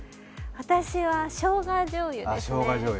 私はしょうがじょうゆですね。